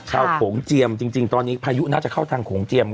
เข้าของเจียมจริงตอนนี้พายุน่าจะเข้าทางของเจียมก่อน